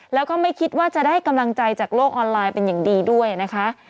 แล้วก็ไม่คิดว่าจะได้กำลังใจจากโลกออนไลน์เป็นอย่างดีด้วยนะคะ